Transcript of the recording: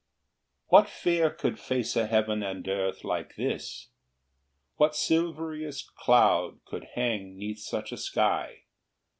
XVI. What fear could face a heaven and earth like this? What silveriest cloud could hang 'neath such a sky?